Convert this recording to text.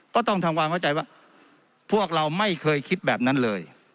ต้องทำความเข้าใจว่าพวกเราไม่เคยคิดแบบนั้นเลย